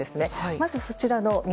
まず、そちらの見